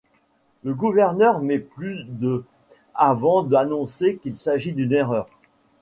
Le gouverneur met plus de avant d'annoncer qu'il s'agit d'une erreur.